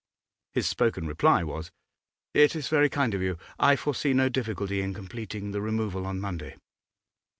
His spoken reply was: 'It is very kind of you. I foresee no difficulty in completing the removal on Monday.